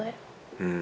うん。